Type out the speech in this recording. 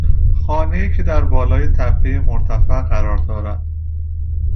خانهای که در بالای تپهی مرتفع قرار دارد